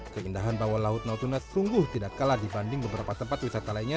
keindahan bawah laut natuna sungguh tidak kalah dibanding beberapa tempat wisata lainnya